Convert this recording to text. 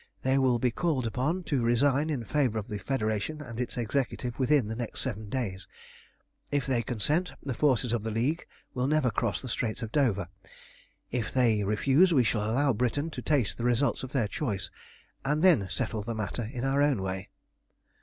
They will be called upon to resign in favour of the Federation and its Executive within the next seven days. If they consent, the forces of the League will never cross the Straits of Dover. If they refuse we shall allow Britain to taste the results of their choice, and then settle the matter in our own way."